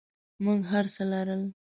موږ هرڅه لرل.